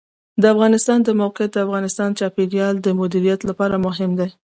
د افغانستان د موقعیت د افغانستان د چاپیریال د مدیریت لپاره مهم دي.